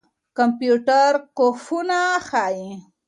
کمپيوټر کوپنونه ښيي.